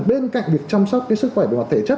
bên cạnh việc chăm sóc cái sức khỏe của thể chất